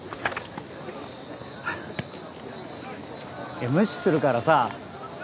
いや無視するからさぁ。